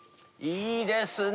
いいですね！